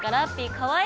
かわいい！